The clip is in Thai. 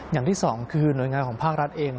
อย่างที่สองคือหน่วยงานของภาครัฐเอง